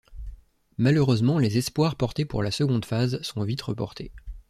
Malheureusement les espoirs portés pour la seconde phase sont vite reportés.